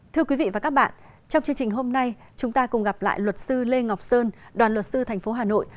thưa quý vị và các bạn trong chương trình hôm nay chúng ta cùng gặp lại luật sư lê ngọc sơn đoàn luật sư thành phố hà nội